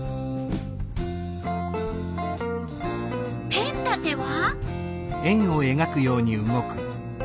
ペン立ては。